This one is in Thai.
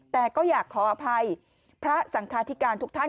แต่ก็อยากขออภัยพระสังคาธิการทุกท่าน